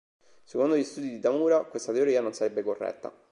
Secondo gli studi di Tamura, questa teoria non sarebbe corretta.